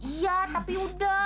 iya tapi udah